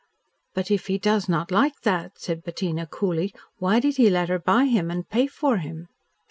"But if he does not like that," said Bettina coolly, "why did he let her buy him and pay for him?"